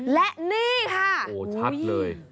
และนี่ค่ะโอ้โหชัดเลย